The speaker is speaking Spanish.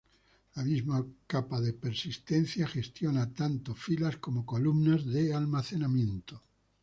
La misma capa de persistencia gestiona tanto filas como columnas de almacenamiento.